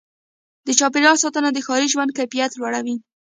د چاپېریال ساتنه د ښاري ژوند کیفیت لوړوي.